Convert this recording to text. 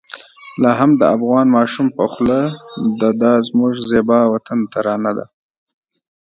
لا هم د افغان ماشوم په خوله د دا زموږ زېبا وطن ترانه ده.